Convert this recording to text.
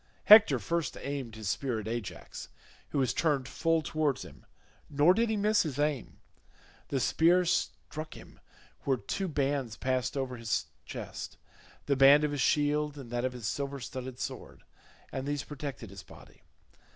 Hector first aimed his spear at Ajax, who was turned full towards him, nor did he miss his aim. The spear struck him where two bands passed over his chest—the band of his shield and that of his silver studded sword—and these protected his body.